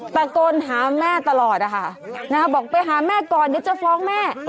ตะโกนหาแม่ตลอดนะคะบอกไปหาแม่ก่อนเดี๋ยวจะฟ้องแม่